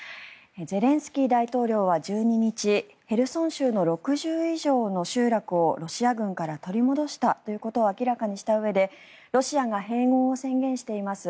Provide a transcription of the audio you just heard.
ゼレンスキー大統領は１２日ヘルソン州の６０以上の集落をロシア軍から取り戻したということを明らかにしたうえでロシアが併合を宣言しています